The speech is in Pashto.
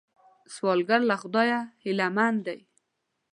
سوالګر له خدایه هیلمن دی